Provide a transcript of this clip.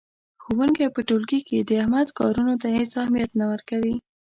ښوونکی په ټولګي کې د احمد کارونو ته هېڅ اهمیت نه ورکوي.